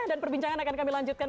dan perbincangan akan kami lanjutkan